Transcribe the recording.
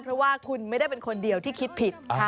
เพราะว่าคุณไม่ได้เป็นคนเดียวที่คิดผิด